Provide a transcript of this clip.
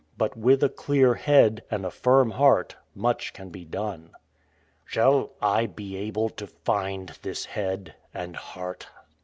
But with a clear head and a firm heart much can be done. "Shall I be able to find this head and heart?"